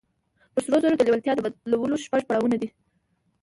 پر سرو زرو د لېوالتیا د بدلولو شپږ پړاوونه دي.